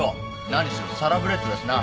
何しろサラブレッドだしな。